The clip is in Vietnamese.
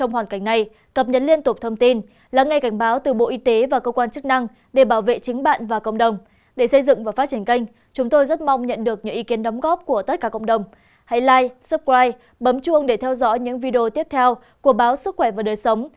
hãy like subscribe bấm chuông để theo dõi những video tiếp theo của báo sức khỏe và đời sống